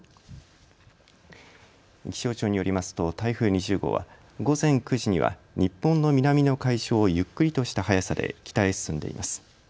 気象庁によりますと台風２０号は午前９時には日本の南の海上をゆっくりとした速さで北へ進んでいます。